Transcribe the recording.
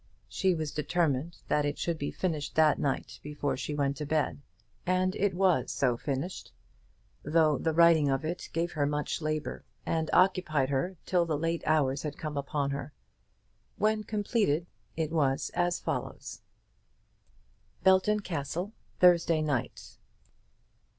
She was determined that it should be finished that night before she went to bed. And it was so finished; though the writing of it gave her much labour, and occupied her till the late hours had come upon her. When completed it was as follows: Belton Castle, Thursday Night.